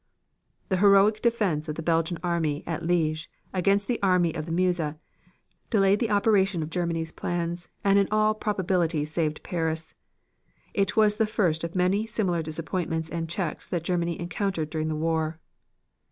The heroic defense of the Belgian army at Liege against the Army of the Meuse delayed the operation of Germany's plans and in all probability saved Paris. It was the first of many similar disappointments and checks that Germany encountered during the war.